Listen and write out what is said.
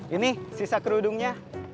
ini sisa kerudungnya